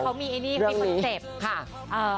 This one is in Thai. เค้ามีอันนี้เค้ามีตัวเจ็บ